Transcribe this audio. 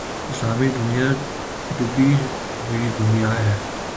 اسلامی دنیا دبی ہوئی دنیا ہے۔